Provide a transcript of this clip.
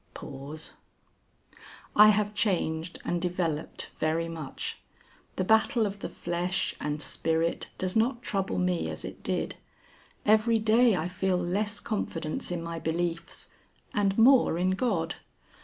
"I have changed and developed very much. The battle of the Flesh and Spirit does not trouble me as it did. Every day I feel less confidence in my beliefs, and more in God.